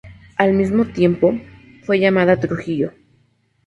Al mismo tiempo, fue llamada Trujillo.